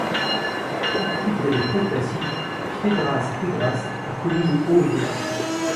Actif dès le préclassique, Piedras Negras a connu des hauts et des bas.